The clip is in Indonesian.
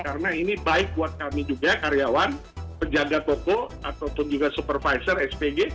karena ini baik buat kami juga karyawan penjaga toko ataupun juga supervisor spg